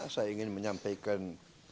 saya ingin menyampaikan